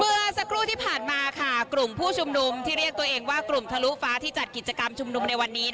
เมื่อสักครู่ที่ผ่านมาค่ะกลุ่มผู้ชุมนุมที่เรียกตัวเองว่ากลุ่มทะลุฟ้าที่จัดกิจกรรมชุมนุมในวันนี้